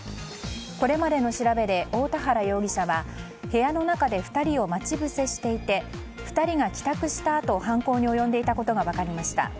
これまでの調べで大田原容疑者は部屋の中で２人を待ち伏せしていて２人が帰宅したあと犯行に及んでいたことが分かりました。